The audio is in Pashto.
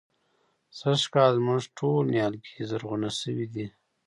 سږکال زموږ ټول نيالګي زرغونه شوي دي.